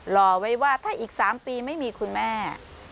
รอไว้ว่าถ้าอีก๓ปีไม่มีคุณแม่